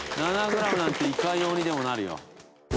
７グラムなんていかようにでもなるよ。